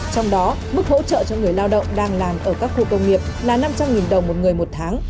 trong đó mức hỗ trợ cho người lao động đang làm ở các khu công nghiệp là năm trăm linh đồng một người một tháng